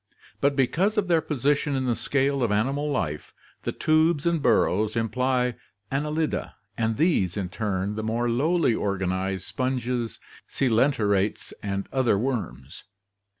But be cause of their position in the scale of animal life, the ttbes and burrows imply Annelida and these in turn the more lowly organized sponges, coelenterates, and other worms.